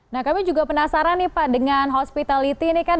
nah kami juga penasaran nih pak dengan hospitality ini kan